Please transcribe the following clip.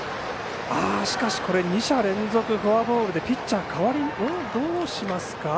しかし、２者連続フォアボールでピッチャーどうしますか。